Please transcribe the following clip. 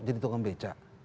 jadi tukang bca